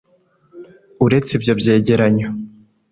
uretse ibyo byegeranyo,